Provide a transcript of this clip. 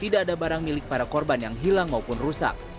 tidak ada barang milik para korban yang hilang maupun rusak